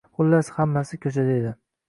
Xullas, hammasi ko‘chada edi.